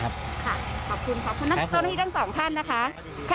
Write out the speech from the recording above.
ค่ะขอบคุณครับคุณต้นที่ทั้งสองท่านนะคะ